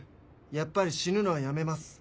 やっぱり死ぬのはやめます。